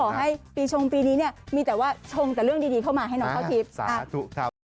ให้ปีชงปีนี้เนี่ยมีแต่ว่าชงแต่เรื่องดีเข้ามาให้น้องเข้าทิพย์